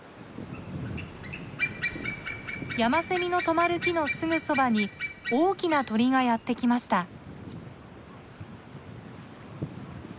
ヤマセミの止まる木のすぐそばに大きな鳥がやって来ました。